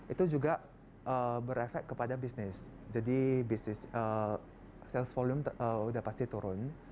itu juga berefek kepada bisnis jadi bisnis sales volume udah pasti turun